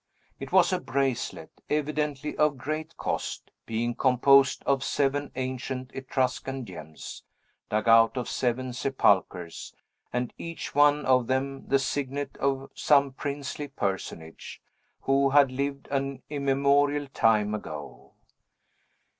It was a bracelet, evidently of great cost, being composed of seven ancient Etruscan gems, dug out of seven sepulchres, and each one of them the signet of some princely personage, who had lived an immemorial time ago.